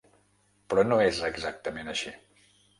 Però no és exactament així.